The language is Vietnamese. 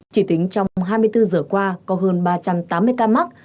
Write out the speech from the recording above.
chỉ tính trong hai mươi bốn giờ qua có hơn ba trăm tám mươi ca mắc